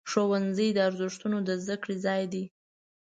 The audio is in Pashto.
ښوونځی د ارزښتونو د زده کړې ځای دی.